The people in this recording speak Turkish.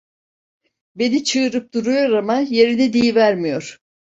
Beni çığırıp duruyor ama yerini diyivermiyor.